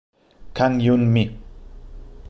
Kang Yun-mi